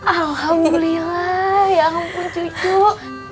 alhamdulillah ya ampun cucu